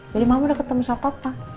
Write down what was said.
jadi mama udah ketemu sama papa